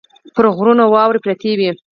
پر غرونو واورې پرتې وې.